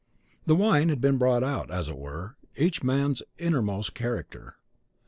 The wine had brought out, as it were, each man's inmost character.